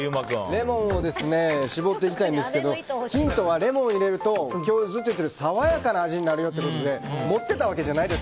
レモンを搾っていきたいんですけどヒントはレモンを入れると今日ずっと言ってる爽やかな味になるよってことで持ってたわけじゃないです。